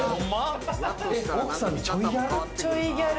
奥さん、ちょいギャル？